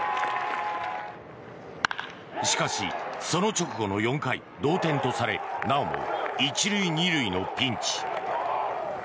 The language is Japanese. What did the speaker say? しかし、その直後の４回同点とされなおも１塁２塁のピンチ。